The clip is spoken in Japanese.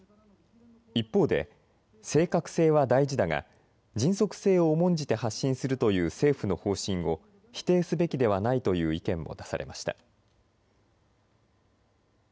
一方で正確性は大事だが迅速性を重んじて発信するという政府の方針を否定すべきではないという意見も出されました。